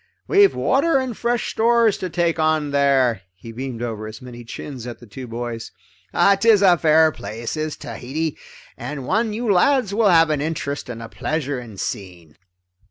We've water and fresh stores to take on there." He beamed over his many chins at the two boys. "'Tis a fair place, is Tahiti, and one you lads will have an interest and a pleasure in seeing."